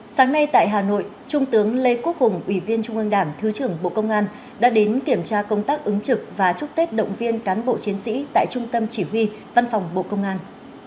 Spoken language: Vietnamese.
sáng nay tại hà nội trung tướng lê quốc hùng ủy viên trung ương đảng thứ trưởng bộ công an đã đến kiểm tra công tác ứng trực và chúc tết động viên cán bộ chiến sĩ tại trung tâm chỉ huy văn phòng bộ công an